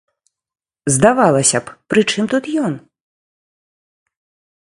Здавалася б, пры чым тут ён?